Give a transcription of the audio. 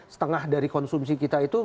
setengah dari konsumsi kita itu